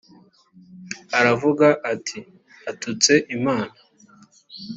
aravuga ati atutse imana